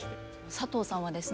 佐藤さんはですね